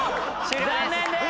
残念です。